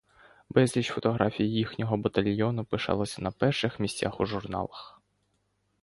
Безліч фотографій їхнього батальйону пишалися на перших місцях у журналах.